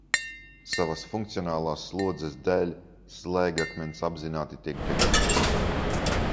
Savas funkcionālās slodzes dēļ slēgakmens apzināti tiek dekorēts.